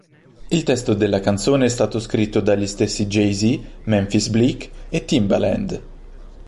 Il testo della canzone è stato scritto dagli stessi Jay-Z, Memphis Bleek e Timbaland.